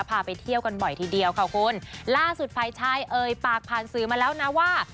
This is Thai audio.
ไปเที่ยวกันบ่อยทีเดียวค่ะคุณล่าสุดฝ่ายชายเอ่ยปากผ่านสื่อมาแล้วนะว่า